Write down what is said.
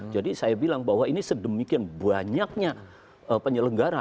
jadi saya bilang bahwa ini sedemikian banyaknya penyelenggara